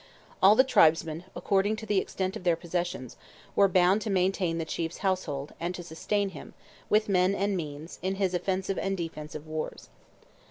All the tribesmen, according to the extent of their possessions, were bound to maintain the chief's household, and to sustain him, with men and means, in his offensive and defensive wars.